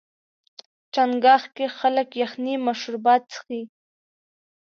چنګاښ کې خلک یخني مشروبات څښي.